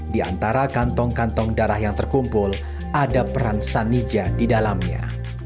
di antara kantong kantong darah yang terkumpul ada peran sanija di dalamnya